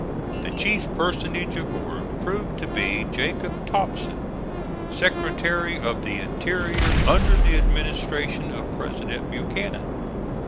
The chief personage aboard proved to be Jacob Thompson, Secretary of the Interior under the administration of President Buchanan.